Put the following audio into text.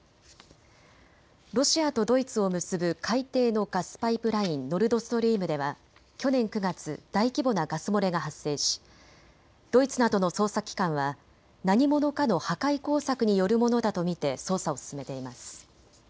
ロシアとドイツを結ぶ海底のガスパイプライン、ノルドストリームでは去年９月、大規模なガス漏れが発生しドイツなどの捜査機関は何者かの破壊工作によるものだと見て捜査を進めています。